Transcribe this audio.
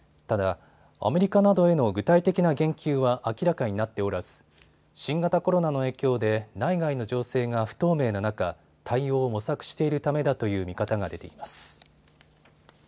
ただ、アメリカなどへの具体的な言及は明らかになっておらず新型コロナの影響で内外の情勢が不透明な中、対応を模索しているためだという見方が出ています。